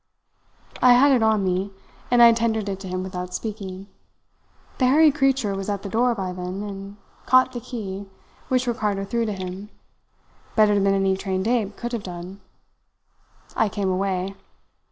"I had it on me, and I tendered it to him without speaking. The hairy creature was at the door by then, and caught the key, which Ricardo threw to him, better than any trained ape could have done. I came away.